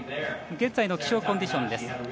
現在の気象コンディションです。